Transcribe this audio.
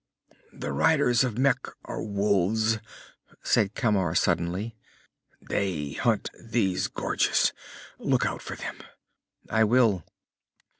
"The riders of Mekh are wolves," said Camar suddenly. "They hunt these gorges. Look out for them." "I will."